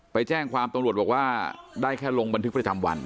ไปแจ้งความตำรวจบอกว่าได้แค่ลงบันทึกประจำวัน